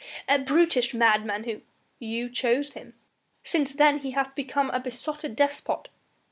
"A brutish madman, who " "You chose him " "Since then he hath become a besotted despot."